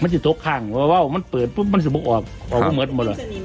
มันจะตกข้างว่าวมันเปิดปุ๊บมันจะบอกออกออกก็เหมือนหมดอ่ะ